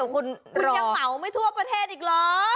คุณยังเหมาไม่ทั่วประเทศอีกเหรอ